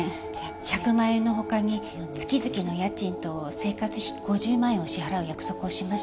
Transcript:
１００万円の他に月々の家賃と生活費５０万円を支払う約束をしました。